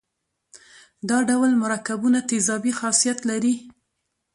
دا ډول مرکبونه تیزابي خاصیت لري.